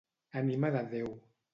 Ànima de Déu.